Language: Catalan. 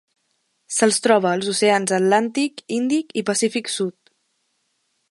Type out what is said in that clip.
Se'ls troba als oceans atlàntic, Índic i Pacífic sud.